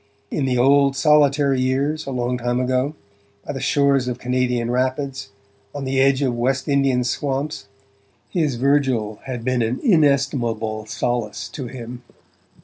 In the old solitary years, a long time ago, by the shores of Canadian rapids, on the edge of West Indian swamps, his Virgil had been an inestimable solace to him.